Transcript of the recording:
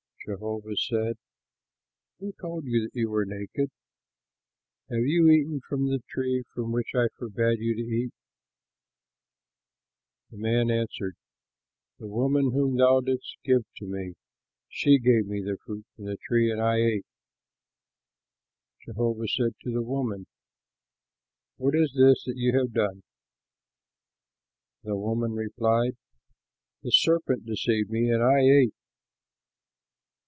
Jehovah said, "Who told you that you were naked? Have you eaten from the tree from which I forbade you to eat?" The man answered, "The woman whom thou didst give to me she gave me fruit from the tree and I ate." Jehovah said to the woman, "What is this that you have done?" The woman replied, "The serpent deceived me, and I ate."